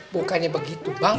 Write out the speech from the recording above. bukannya begitu bang